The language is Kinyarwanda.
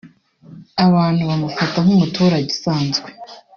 abantu bamufata nk’umuturage usanzwe